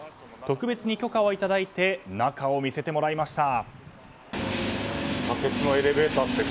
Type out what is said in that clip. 特別に許可をいただいて中を見せてもらいました。